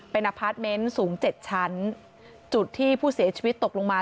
เป็นอพาร์ทเมนต์สูงเจ็ดชั้นจุดที่ผู้เสียชีวิตตกลงมา